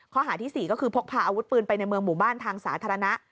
ข้อหาที่๔ก็คือพกพาอาวุธปืนไปในเมืองหมู่บ้านทางสาธารณะ